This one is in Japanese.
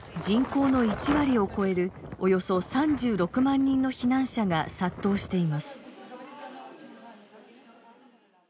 人口の１割を超えるおよそ３６万人の避難者が殺到しています。